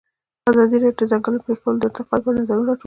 ازادي راډیو د د ځنګلونو پرېکول د ارتقا لپاره نظرونه راټول کړي.